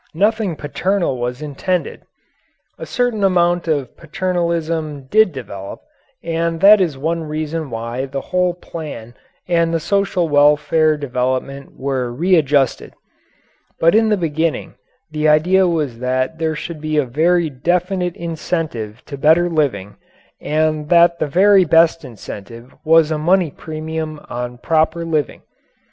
Nothing paternal was intended! a certain amount of paternalism did develop, and that is one reason why the whole plan and the social welfare department were readjusted. But in the beginning the idea was that there should be a very definite incentive to better living and that the very best incentive was a money premium on proper living.